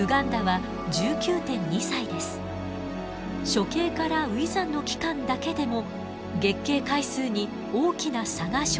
初経から初産の期間だけでも月経回数に大きな差が生じるのです。